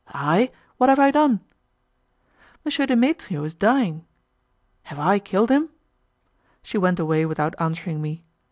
"I? What have I done?" "M. Demetrio is dying." "Have I killed him?" She went away without answering me.